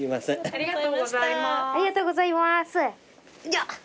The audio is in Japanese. ありがとうございます。